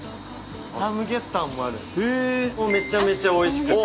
めちゃめちゃおいしくて。